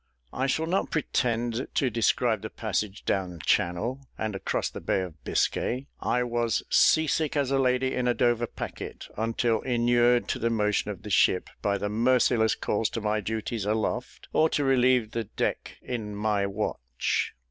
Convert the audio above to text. I shall not pretend to describe the passage down Channel and across the Bay of Biscay. I was sea sick as a lady in a Dover packet, until inured to the motion of the ship by the merciless calls to my duties aloft, or to relieve the deck in my watch.